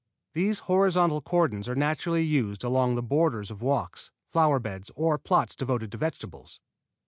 These horizontal cordons are naturally used along the borders of walks, flower beds or plots devoted to vegetables.